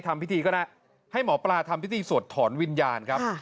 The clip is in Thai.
แล้วให้หมอปลาทำพิธีสวดถอนวิญญาณครับ